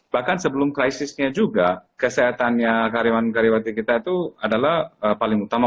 bahkan sebelum krisisnya juga kesehatannya karyawan karyawati kita itu adalah paling utama